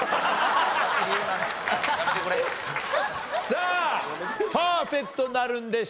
さあパーフェクトなるんでしょうか？